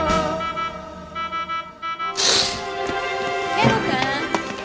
・・圭吾君！